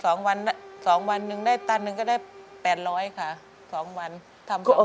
ก็จะได้หนึ่งได้ดับหนึ่งแล้วก็ได้๘๐๐ค่ะ